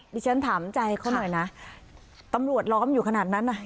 ดิฉันถามใจเขาหน่อยนะตำรวจล้อมอยู่ขนาดนั้นน่ะ